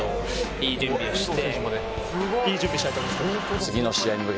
良い準備をして。